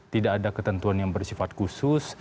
tidak ada ketentuan yang bersifat khusus